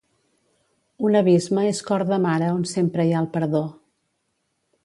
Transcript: Un abisme és cor de mare on sempre hi ha el perdó.